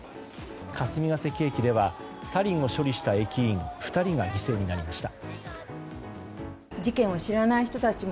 霞ケ関駅ではサリンを処理した駅員２人が犠牲になりました。